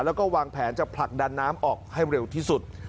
แล้วก็วางแผนจะผลักดันน้ำออกให้เร็วที่สุด